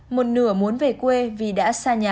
một nửa muốn về quê vì đã xa nhà